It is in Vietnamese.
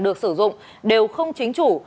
được sử dụng đều không chính chủ